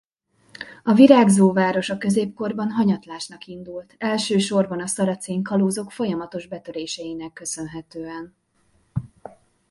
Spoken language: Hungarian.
A virágzó város a középkorban hanyatlásnak indult elsősorban a szaracén kalózok folyamatos betöréseinek köszönhetően.